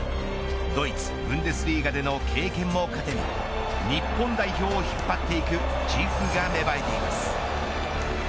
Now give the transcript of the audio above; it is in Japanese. ドイツ、ブンデスリーガでの経験を糧に日本代表を引っ張っていく自負が芽生えています。